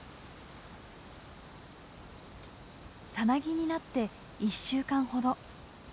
サナギになって１週間ほど。